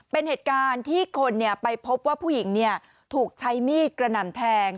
เป็นเหตุการณ์ที่คนไปพบว่าผู้หญิงถูกใช้มีดกระหน่ำแทง